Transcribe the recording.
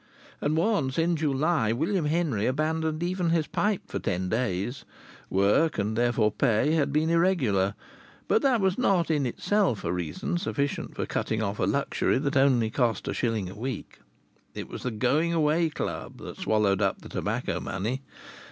And once, in July, William Henry abandoned even his pipe for ten days. Work, and therefore pay, had been irregular, but that was not in itself a reason sufficient for cutting off a luxury that cost only a shilling a week. It was the Going Away Club that swallowed up the tobacco money.